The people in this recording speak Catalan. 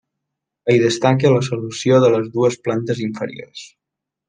Hi destaca la solució de les dues plantes inferiors.